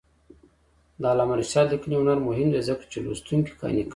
د علامه رشاد لیکنی هنر مهم دی ځکه چې لوستونکي قانع کوي.